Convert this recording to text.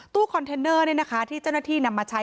ตู้คอนเทนเนอร์เนี่ยนะคะที่เจ้าหน้าที่นำมาใช้